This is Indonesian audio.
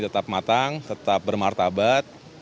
tetap matang tetap bermartabat